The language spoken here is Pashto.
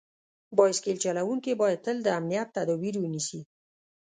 بایسکل چلونکي باید تل د امنیت تدابیر ونیسي.